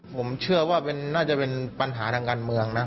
ผมเชื่อว่าน่าจะเป็นปัญหาทางการเมืองนะ